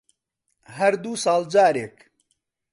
هەر دوو ساڵ جارێک